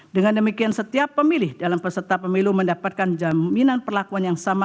dengan demikian setiap pemilih dalam peserta pemilu mendapatkan jaminan perlakuan yang sama